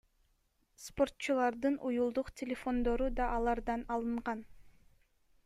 Спортчулардын уюлдук телефондору да алардан алынган.